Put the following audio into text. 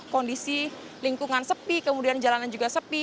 kondisi lingkungan sepi kemudian jalanan juga sepi